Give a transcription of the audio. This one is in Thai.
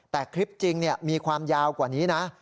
แต่คลิปจริงมีความยาวกว่านี้นะ